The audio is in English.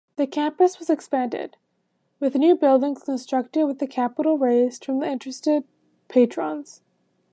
The campus was expanded, with new buildings constructed with capital raised from interested patrons.